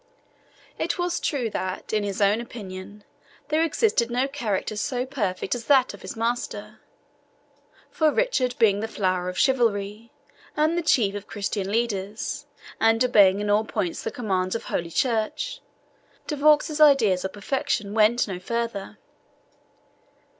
It was true that, in his own opinion, there existed no character so perfect as that of his master; for Richard being the flower of chivalry, and the chief of Christian leaders, and obeying in all points the commands of Holy Church, De Vaux's ideas of perfection went no further.